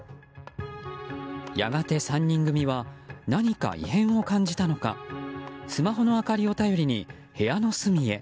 やがて３人組は何か異変を感じたのかスマホの明かりを頼りに部屋の隅へ。